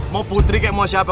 mau putri kayak mau siapa